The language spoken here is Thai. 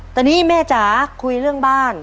ตอนนี้แม่จ๋าคุยเรื่องบ้าน